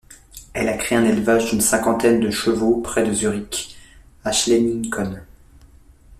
Elle a créé un élevage d'une cinquantaine de chevaux près de Zurich, à Schleinikon.